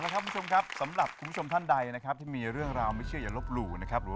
ขอบพระคุณพี่เปี๊ยกมากครับ